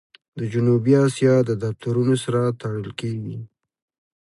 د جنوبي آسیا د دفترونو سره تړل کېږي.